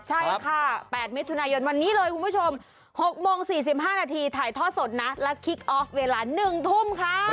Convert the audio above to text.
ใช่ค่ะ๘มิถุนายนวันนี้เลยคุณผู้ชม๖โมง๔๕นาทีถ่ายท่อสดนะและคิกออฟเวลา๑ทุ่มค่ะ